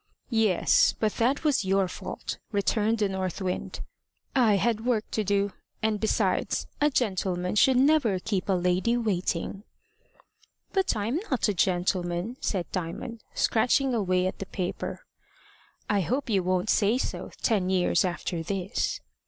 "Yes, but that was your fault," returned North Wind. "I had work to do; and, besides, a gentleman should never keep a lady waiting." "But I'm not a gentleman," said Diamond, scratching away at the paper. "I hope you won't say so ten years after this."